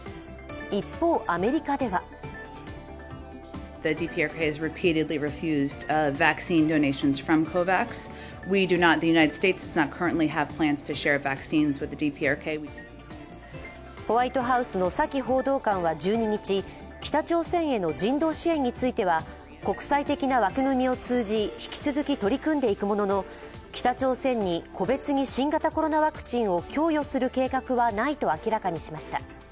一方、アメリカではホワイトハウスのサキ報道官は１２日、北朝鮮への人道支援については国際的な枠組みを通じ、引き続き取り組んでいくものの北朝鮮に個別に新型コロナワクチンを供与する計画はないと明らかにしました。